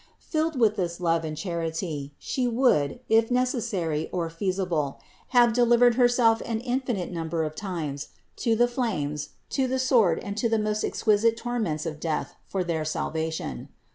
Filled with this love and charity, She would, if necessary or feasible, have delivered Herself an infinite number of times to the flames, to the sword and to the most exquisite torments of death for their salvation.